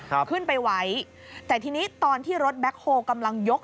ขึ้นไปไว้แต่ทีนี้ตอนที่รถแบ็คโฮลกำลังยก